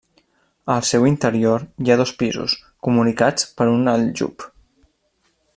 Al seu interior hi ha dos pisos, comunicats per un aljub.